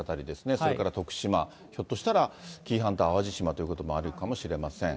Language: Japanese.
それから徳島、ひょっとしたら紀伊半島、淡路島ということもあるかもしれません。